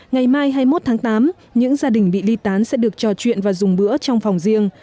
ngày mai hai mươi một tháng tám những gia đình bị ly tán sẽ được trò chuyện và dùng bữa trong phòng riêng